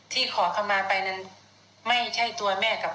ที่ขอเข้ามาไปนั้นไม่ใช่ตัวแม่กับพ่อ